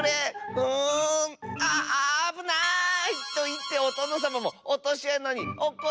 うんあっあぶない！』といっておとのさまもおとしあなにおっこっちゃいました。